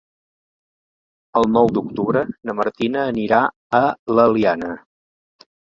El nou d'octubre na Martina anirà a l'Eliana.